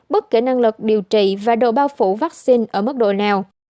bất kỳ năng lực điều trị và độ bao phủ vaccine ở mức độ nào